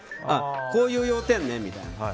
こういう要点ねみたいな。